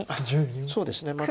そうですねまず。